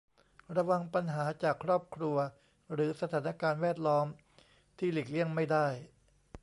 ระวังปัญหาจากครอบครัวหรือสถานการณ์แวดล้อมที่หลีกเลี่ยงไม่ได้